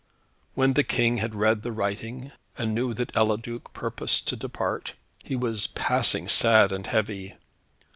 When the King had read the writing, and knew that Eliduc purposed to depart, he was passing sad and heavy.